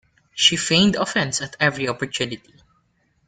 She feigned offense at every opportunity.